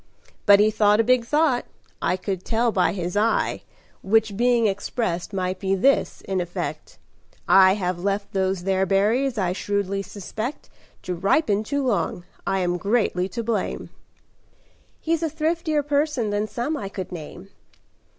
But he thought a big thought I could tell by his eye Which being expressed, might be this in effect: 'I have left those there berries, I shrewdly suspect, To ripen too long. I am greatly to blame.'" "He's a thriftier person than some I could name."